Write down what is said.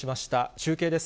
中継です。